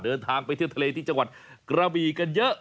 เดินทางไปเที่ยวทะเลที่จังหวัดกระบีกันเยอะ